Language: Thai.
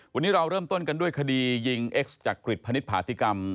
วันนี้เราเริ่มต้นกันด้วยคดียิงเอ็กซ์จักริตพนิษฐาติกรรม